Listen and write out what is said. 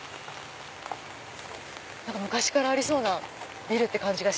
昔からありそうなビルって感じ。